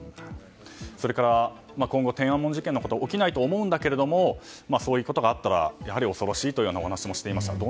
それから今後天安門事件のようなことは起きないと思うんだけどもそういうことがあったらやはり恐ろしいというお話もしていました。